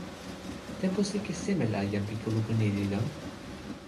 tenpo sike seme la jan pi kulupu ni li lon?